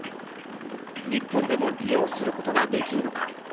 日本でも利用することができるのか。